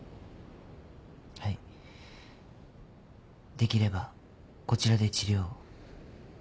できればこちらで治療を。